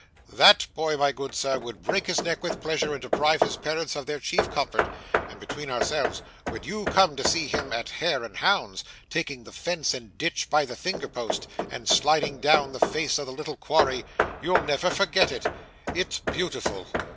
That boy, my good sir, would break his neck with pleasure, and deprive his parents of their chief comfort and between ourselves, when you come to see him at hare and hounds, taking the fence and ditch by the finger post, and sliding down the face of the little quarry, you'll never forget it. It's beautiful!